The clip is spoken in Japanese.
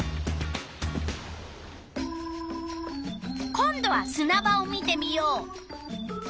今度はすな場を見てみよう。